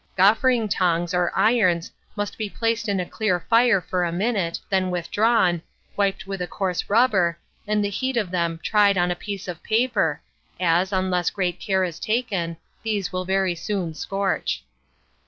Gauffering tongs or irons must be placed in a clear fire for a minute, then withdrawn, wiped with a coarse rubber, and the heat of them tried on a piece of paper, as, unless great care is taken, these will very soon scorch.